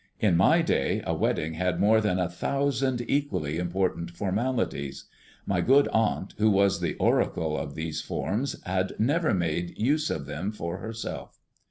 In my day a wedding had more than a thousand equally important formalities. My good aunt, who was the oracle of these forms, had never made use of them for herself.